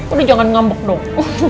udah jangan ngambek dong